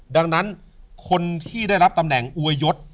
ดังนั้นคนที่ได้รับตำแหน่งอวยยศ